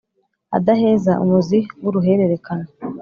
Adaheza umuzi w'uruhererekane